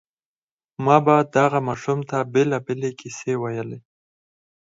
ما به دغه ماشوم ته بېلابېلې کيسې ويلې.